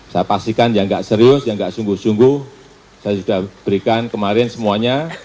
saya pastikan yang nggak serius yang nggak sungguh sungguh saya sudah berikan kemarin semuanya